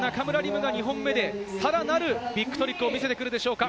夢が２本目でさらなるビッグトリックを見せてくるでしょうか？